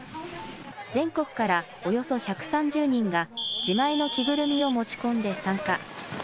全国からおよそ１３０人が、自前の着ぐるみを持ち込んで参加。